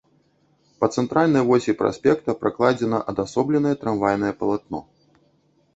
Па цэнтральнай восі праспекта пракладзена адасобленае трамвайнае палатно.